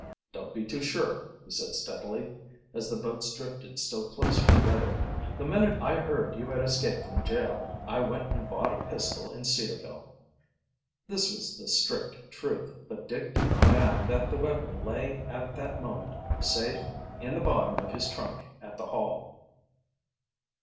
"Don't be too sure," he said steadily, as the boats drifted still closer together. "The minute I heard you had escaped from jail I went and bought a pistol in Cedarville." This was the strict truth, but Dick did not add that the weapon lay at that moment safe in the bottom of his trunk at the Hall.